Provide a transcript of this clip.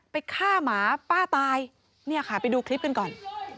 ไปฆ่าหมาป้าตายเนี่ยค่ะไปดูคลิปกันก่อน